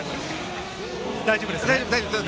大丈夫です。